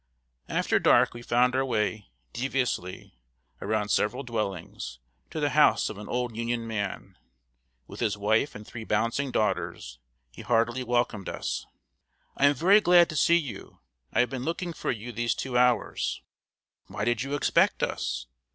] After dark we found our way, deviously, around several dwellings, to the house of an old Union man. With his wife and three bouncing daughters, he heartily welcomed us: "I am very glad to see you; I have been looking for you these two hours." "Why did you expect us?"